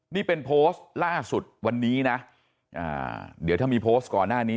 นี่เป็นโพสต์ล่าสุดวันนี้นะเดี๋ยวถ้ามีโพสต์ก่อนหน้านี้